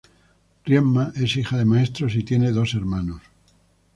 Riemann es hija de maestros y tiene dos hermanos.